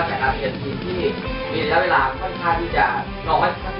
แต่ครับเห็นทีที่มีระยะเวลาค่อนข้างที่จะลองให้ชัดหน่อย